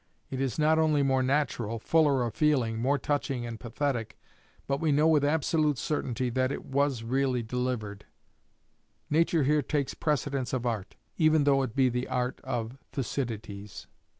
It is not only more natural, fuller of feeling, more touching and pathetic, but we know with absolute certainty that it was really delivered. Nature here takes precedence of art even though it be the art of Thucydides."